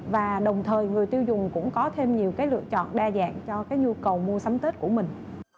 và đồng thời người tiêu dùng cũng có thêm nhiều cái lựa chọn đa dạng cho cái nhu cầu mua sắm tết của mình